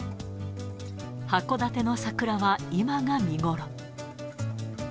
函館の桜は今が見頃。